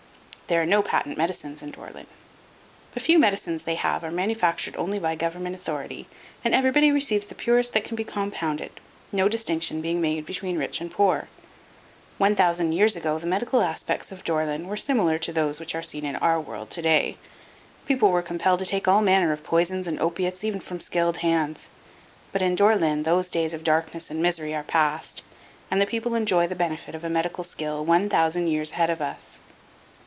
There are no patent medicines in Dore lyn. The few medicines they have are manufactured only by government authority and everybody receives the purest that can be compounded, no distinction being made between rich and poor. One thousand years ago the medical aspects of Dore lyn were similar to those which are seen in our world to day. People were compelled to take all manner of poisons and opiates even from skilled hands. But in Dore lyn those days of darkness and misery are past and the people enjoy the benefit of a medical skill one thousand years ahead of us.